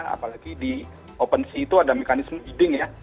apalagi di opensea itu ada mekanisme eading ya